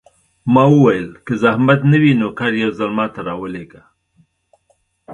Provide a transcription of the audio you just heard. ما وویل: که زحمت نه وي، نوکر یو ځل ما ته راولېږه.